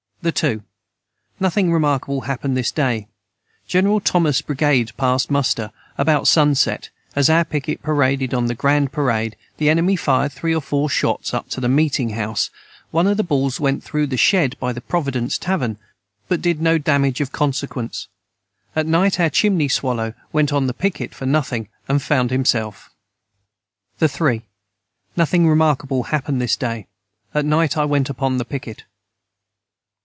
] the 2. Nothing remarkable hapned this day General Thomas Brigade passt Mustter about Sunset as our piquet paraded on the grand parade the enemy fired 3 or 4 shots up to the meeting house one of the balls went through the shed by the Providence tavern but did no damage of consequence at night our chimney Swallow went on the piquet for nothing and found himself. the 3. Nothing remarkable hapened this day at night I went upon the piquet.